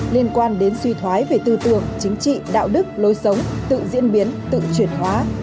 liên quan đến suy thoái về tư tưởng chính trị đạo đức lối sống tự diễn biến tự chuyển hóa